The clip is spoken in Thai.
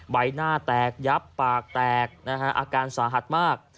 ใบหน้าแตกยับปากแตกนะฮะอาการสาหัสมาก